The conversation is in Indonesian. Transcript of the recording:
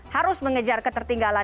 harus mengejar ketertinggalan